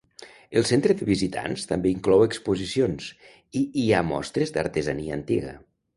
El centre de visitants també inclou exposicions, i hi ha mostres d'artesania antiga.